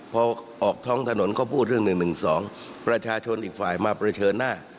พอออกท้องถนนเขาพูดเรื่องหนึ่งหนึ่งสองประชาชนอีกฝ่ายมาเผริญหน้า